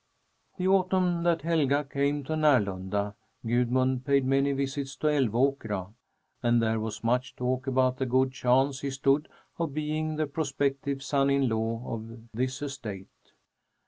The autumn that Helga came to Närlunda, Gudmund paid many visits to Älvåkra, and there was much talk about the good chance he stood of being the prospective son in law of this estate.